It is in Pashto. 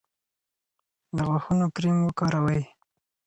د غاښونو کریم وکاروئ.